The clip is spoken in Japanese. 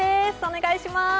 お願いします